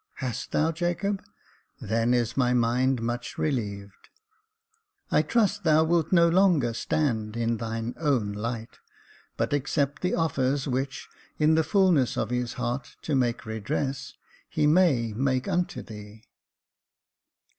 "Hast thou, Jacob.'' then is my mind much relieved. ;^;^o Jacob Faithful I trust thou wilt no longer stand in thine own light, but accept the offers which, in the fulness of his heart to make redress, he may make unto thee."